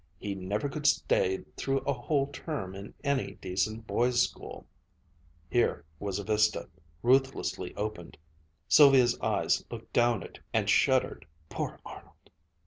He never could stay through a whole term in any decent boys' school." Here was a vista, ruthlessly opened. Sylvia's eyes looked down it and shuddered. "Poor Arnold!"